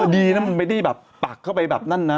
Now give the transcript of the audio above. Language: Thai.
ดีนะไม่ได้ปักเข้าไปแบบนั้นน่ะ